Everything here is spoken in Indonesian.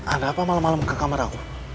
ada apa malam malam ke kamar aku